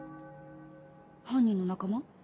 犯人の仲間？